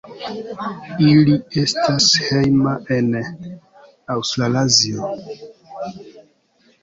Ili estas hejma en Aŭstralazio.